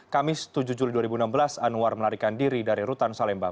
kamis tujuh juli dua ribu enam belas anwar melarikan diri dari rutan salemba